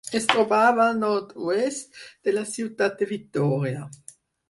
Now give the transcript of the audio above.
Es trobava al nord-oest de la ciutat de Vitòria.